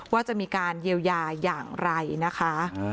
ว่าจะมีการเยียวยาอย่างไรนะคะ